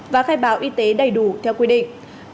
và khai báo y tế đầy đủ theo quy định